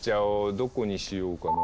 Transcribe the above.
どこにしようかな。